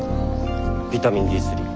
ビタミンＤ３。